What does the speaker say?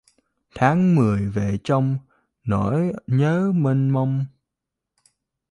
Tháng Mười về trong nỗi nhớ mênh mông